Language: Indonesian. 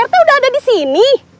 pak rt udah ada disini